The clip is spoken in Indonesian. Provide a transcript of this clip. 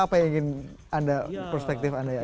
apa yang ingin anda perspektif anda ya